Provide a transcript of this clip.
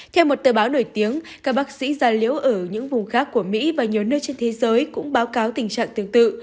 theo một tờ báo nổi tiếng các bác sĩ gia liễu ở những vùng khác của mỹ và nhiều nơi trên thế giới cũng báo cáo tình trạng tương tự